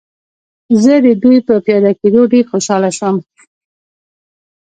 زه د دوی په پیاده کېدو ډېر خوشحاله شوم.